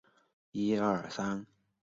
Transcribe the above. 因此辉钼矿易解理。